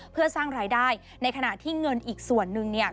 เพื่อสร้างรายได้ในขณะที่เงินอีกส่วนนึงเนี่ย